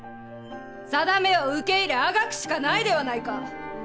さだめを受け入れあがくしかないではないか。